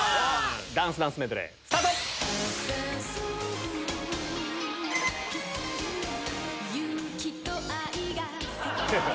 ダンスダンスメドレー。ハハハ！